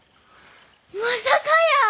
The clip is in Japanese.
まさかやー。